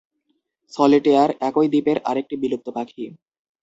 Solitaire একই দ্বীপের আরেকটি বিলুপ্ত পাখি।